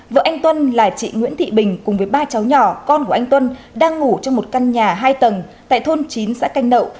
vợ anh tuân là chị nguyễn thị bình cùng với ba cháu nhỏ con của anh tuân đang ngủ trong một căn nhà hai tầng tại thôn chín xã canh nậu